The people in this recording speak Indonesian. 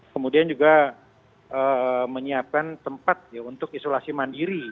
kemudian juga menyiapkan tempat untuk isolasi mandiri